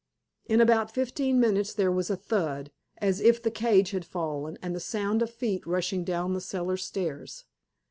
In about fifteen minutes there was a thud, as if the cage had fallen, and the sound of feet rushing down the cellar stairs.